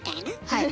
はい。